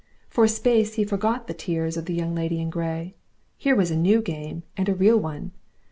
For a space he forgot the tears of the Young Lady in Grey. Here was a new game! and a real one.